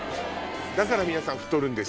だから皆さん太るんですよ。